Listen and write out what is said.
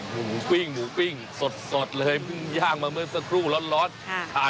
หมูปิ้งหมูปิ้งสดเลยย่างมาเมื่อสักครู่ร้อนทานเลยนะอื้อหืออร่อยจริง